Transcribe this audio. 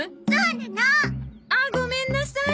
あっごめんなさい。